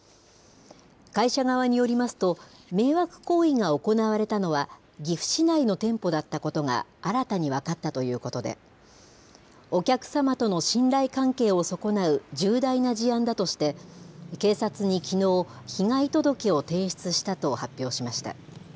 会社側によりますと、迷惑行為が行われたのは岐阜市内の店舗だったことが、新たに分かったということで、お客様との信頼関係を損なう、重大な事案だとして、警察にきのう、被害届を提出したと発表しました。